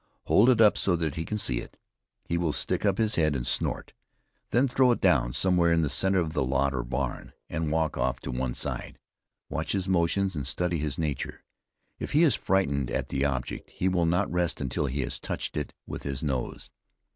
Hold it up so that he can see it; he will stick up his head and snort. Then throw it down somewhere in the center of the lot or barn, and walk off to one side. Watch his motions, and study his nature. If he is frightened at the object, he will not rest until he has touched it with his nose.